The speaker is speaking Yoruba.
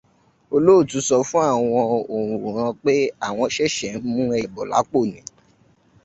Olóòtú sọ fún àwọn òǹwòrán pé àwọn ṣẹ̀ṣẹ̀ ń mú ẹyẹ bọ̀ lápò ni.